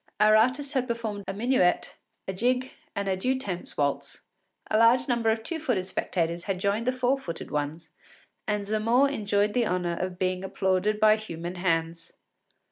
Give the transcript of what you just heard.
Our artist had performed a minuet, a jig, and a deux temps waltz. A large number of two footed spectators had joined the four footed ones, and Zamore enjoyed the honour of being applauded by human hands.